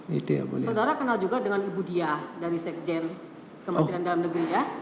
saudara kenal juga dengan ibu diah dari sekjen kementerian dalam negeri ya